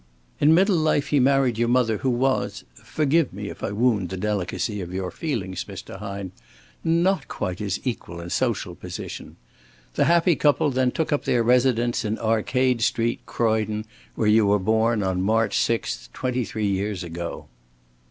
In middle life he married your mother, who was forgive me if I wound the delicacy of your feelings, Mr. Hine not quite his equal in social position. The happy couple then took up their residence in Arcade Street, Croydon, where you were born on March 6, twenty three years ago."